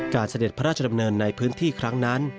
เสด็จพระราชดำเนินในพื้นที่ครั้งนั้น